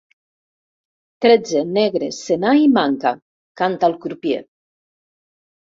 Tretze, negre, senar i manca —canta el crupier.